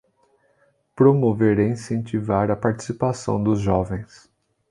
Promover e incentivar a participação dos jovens.